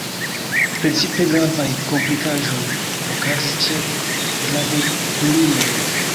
Precipe gravaj komplikaĵoj okazis ĉe gravedulinoj.